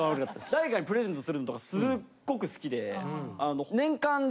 誰かにプレゼントするのとかすっごく好きで。